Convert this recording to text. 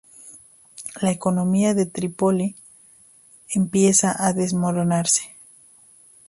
La economía de Trípoli empieza a desmoronarse.